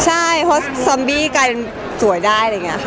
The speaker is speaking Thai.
ใช่เพราะซอมบี้กลายเป็นสวยได้อะไรอย่างนี้ค่ะ